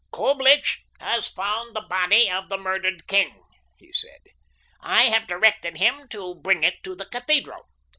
"Coblich has found the body of the murdered king," he said. "I have directed him to bring it to the cathedral.